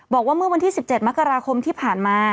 บอกว่าเมื่อวันที่๑๗มกราคมที่ผ่านมา